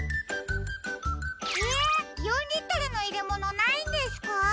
え４リットルのいれものないんですか？